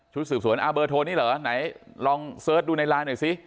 สืบสวนอ่าเบอร์โทรนี่เหรอไหนลองเสิร์ชดูในไลน์หน่อยซิ